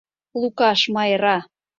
ЛУКАШ МАЙРА